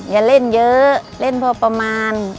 อย่าเล่นเยอะเล่นพอประมาณ